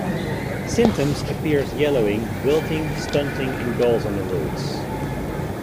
Symptoms appear as yellowing, wilting, stunting, and galls on the roots.